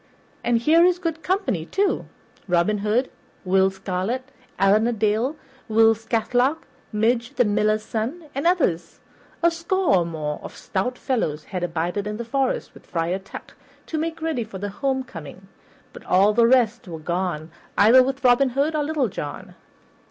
And here is good company, too; Robin Hood, Will Scarlet, Allan a Dale, Will Scathelock, Midge, the Miller's son, and others. A score or more of stout fellows had abided in the forest, with Friar Tuck, to make ready for the homecoming, but all the rest were gone either with Robin Hood or Little John.